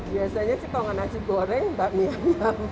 biasanya sih kalau enggak nasi goreng enggak mie ayam